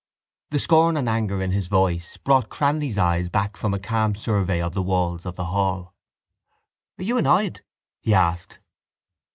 The scorn and anger in his voice brought Cranly's eyes back from a calm survey of the walls of the hall. —Are you annoyed? he asked.